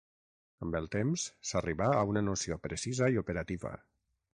Amb el temps, s'arribà a una noció precisa i operativa.